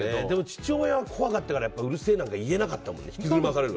でも父親は怖かったからうるせえなんて言えなかったもんね。